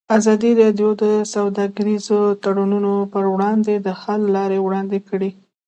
ازادي راډیو د سوداګریز تړونونه پر وړاندې د حل لارې وړاندې کړي.